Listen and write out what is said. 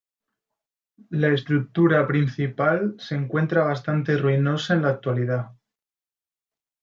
La estructura principal se encuentra bastante ruinosa en la actualidad.